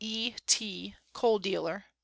E. T Coid Dealer, .